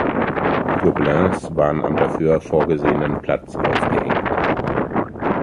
Die Gobelins waren am dafür vorgesehenen Platz aufgehängt.